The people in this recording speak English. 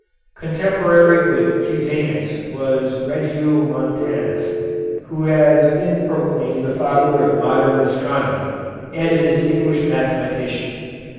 Contemporary with Cusanus was Regiomontanus, who has been proclaimed the father of modern astronomy, and a distinguished mathematician.